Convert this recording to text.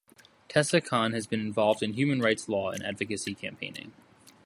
Tessa Khan has been involved in human rights law and advocacy campaigning.